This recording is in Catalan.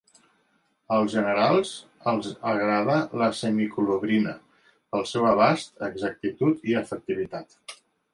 Als generals els agrada la semicolobrina pel seu abast, exactitud i efectivitat.